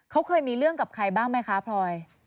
เขาเคยมีเรื่องกับใครบ้างไหมคะพลอย